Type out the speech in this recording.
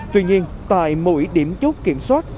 tuy nhiên tại mỗi điểm chốt kiểm soát